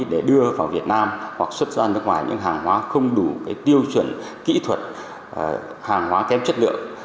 để đưa vào việt nam hoặc xuất gian nước ngoài những hàng hóa không đủ tiêu chuẩn kỹ thuật hàng hóa kém chất lượng